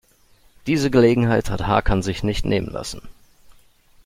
Diese Gelegenheit hat Hakan sich nicht nehmen lassen.